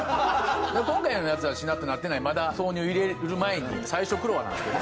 今回のやつはしなってなってないまだ豆乳入れる前に最初クロワなんですけどね。